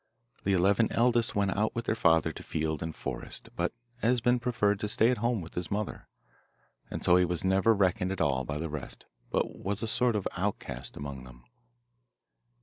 The eleven eldest went out with their father to field and forest, but Esben preferred to stay at home with his mother, and so he was never reckoned at all by the rest, but was a sort of outcast among them.